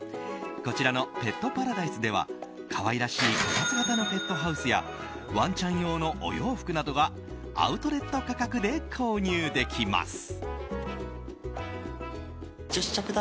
こちらのペットパラダイスでは可愛らしいこたつ型のペットハウスやワンちゃん用のお洋服などがアウトレット価格で購入できます。